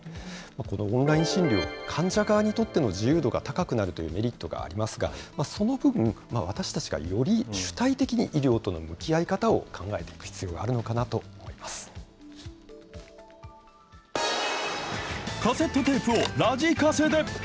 このオンライン診療、患者側にとっての自由度が高くなるというメリットがありますが、その分、私たちがより主体的に、医療との向き合い方を考えていく必要があるカセットテープをラジカセで。